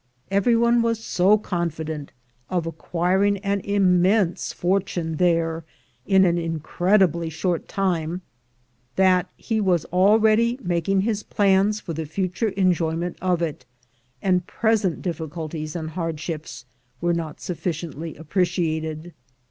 Every one was so confident of acquiring an immense fortune there in an incredibly short time, that he was already making his plans for the future enjoy ment of it, and present difficulties and hardships were not sufficiently appreciated.